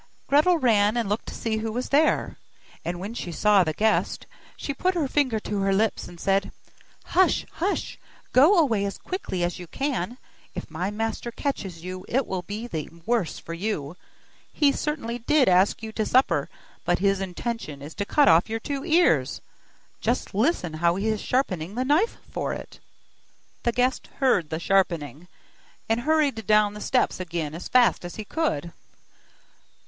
Gretel ran, and looked to see who was there, and when she saw the guest, she put her finger to her lips and said: 'Hush! hush! go away as quickly as you can, if my master catches you it will be the worse for you; he certainly did ask you to supper, but his intention is to cut off your two ears. Just listen how he is sharpening the knife for it!' The guest heard the sharpening, and hurried down the steps again as fast as he could.